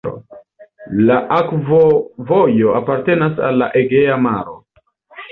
La akvovojo apartenas al la Egea Maro.